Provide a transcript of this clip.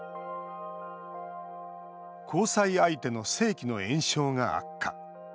交際相手の性器の炎症が悪化。